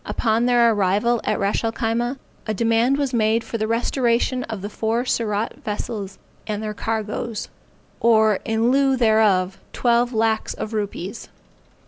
Upon their arrival at Ras el Khyma, a demand was made for the restoration of the four Surat vessels and their cargoes; or in lieu thereof twelve lacks of rupees.